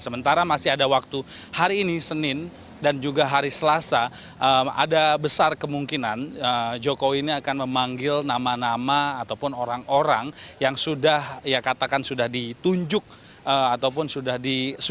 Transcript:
sementara masih ada waktu hari ini senin dan juga hari selasa ada besar kemungkinan jokowi ini akan memanggil nama nama ataupun orang orang yang sudah ya katakan sudah ditunjuk ataupun sudah disusun